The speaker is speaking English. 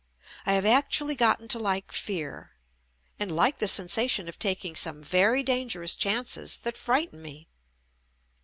I have actually gotten to like fear, and like the sensation of taking some very dangerous chances that frighten me.